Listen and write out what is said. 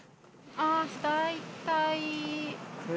ああ大体。